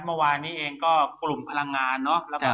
เมื่อวานนี้เองล่ะกลุ่มพลังงาน